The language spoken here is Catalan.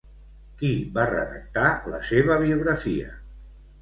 Qui va redactar la seva biografia?